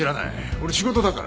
俺仕事だから。